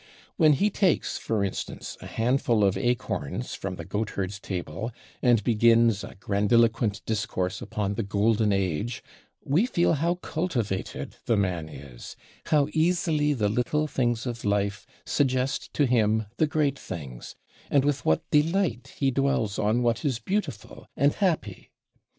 When he takes, for instance, a handful of acorns from the goat herds' table and begins a grandiloquent discourse upon the Golden Age, we feel how cultivated the man is, how easily the little things of life suggest to him the great things, and with what delight he dwells on what is beautiful and happy.